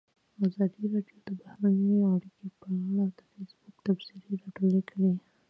ازادي راډیو د بهرنۍ اړیکې په اړه د فیسبوک تبصرې راټولې کړي.